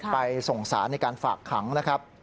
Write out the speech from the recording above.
ไปส่งสารในการฝากขังนะครับ